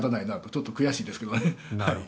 ちょっと悔しいですけどね。